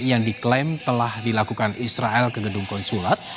yang diklaim telah dilakukan israel ke gedung konsulat